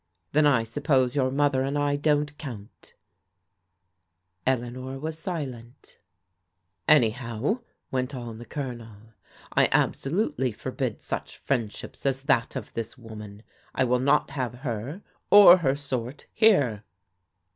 " Then I suppose your mother and I don't count ?" Eleanor was silent. "Anyhow," went on the Colonel, " I absolutely forbid such friendships as that of this woman. I will not have her, or her sort, here."